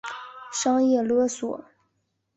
商业勒索